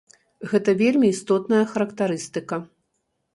Гэта вельмі істотная характарыстыка.